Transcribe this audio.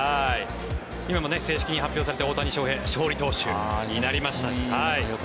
今、正式に発表されて大谷翔平勝利投手になりました。